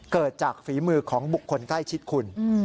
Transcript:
เกิดจากฝีมือของบุคคลใกล้ชิดคุณ